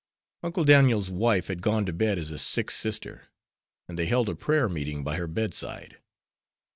Uncle Daniel's wife had gone to bed as a sick sister, and they held a prayer meeting by her bedside.